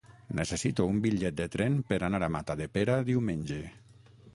Necessito un bitllet de tren per anar a Matadepera diumenge.